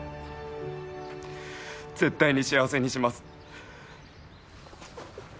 絶対に幸せにします。